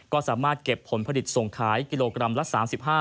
ก็สามารถเก็บผลผลิตส่งขายกิโลกรัมละ๓๕